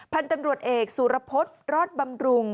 พันธุ์ตำรวจเอกสุรพฤษรอดบำรุง